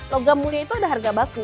logam mulia itu ada harga baku